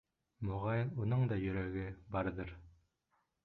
Моғайын, уның да йөрәге барҙыр.